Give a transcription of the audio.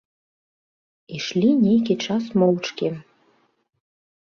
Ішлі нейкі час моўчкі.